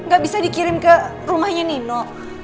gak bisa dikirim ke rumahnya nino